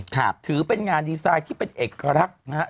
ถือเป็นงานดีไซน์ที่เป็นเอกลักษณ์นะฮะ